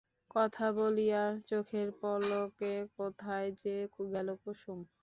কথা বলিয়া চোখের পলকে কোথায় যে গেল কুসুম!